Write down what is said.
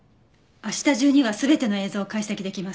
明日中には全ての映像を解析できます。